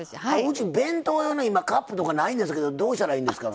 うち弁当用の今カップとかないんですけどどうしたらいいんですか？